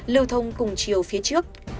lưu thông cùng chiều phía trước